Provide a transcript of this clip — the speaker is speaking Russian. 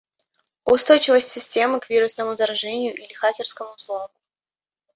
Устойчивость системы к вирусному заражению или хакерскому взлому